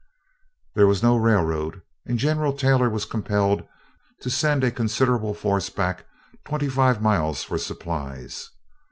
There was no railroad, and General Taylor was compelled to send a considerable force back twenty five miles for supplies.